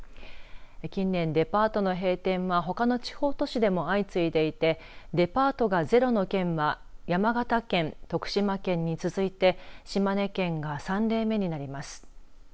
近年デパートの閉店はほかの地方都市でも相次いでいてデパートがゼロの県は山形県、徳島県に続いて島根県が３例目になります。